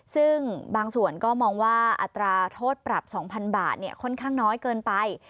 ซึ่งบางส่วนก็มองว่าอัตราโทษปรับ๒๐๐๐บาทค่อนข้างน้อยเกินไป